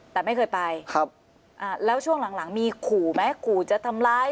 แต่ไม่เคยไปครับอ่าแล้วช่วงหลังหลังมีขู่ไหมขู่จะทำร้าย